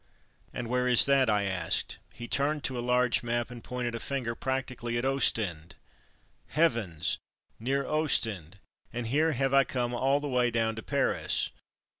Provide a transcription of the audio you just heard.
''And where is that?'' I asked. He turned to a large map and pointed a finger prac tically at Ostend. "Heavens! near Ostend! and here ha^^e I come all the way down to Paris!"